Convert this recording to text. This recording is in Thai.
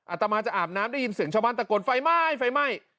อาตมาจะอาบน้ำได้ยินเสียงชาวบ้านตะโกนไฟไหม้ไฟไหม้